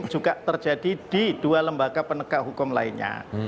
juga terjadi di dua lembaga penegak hukum lainnya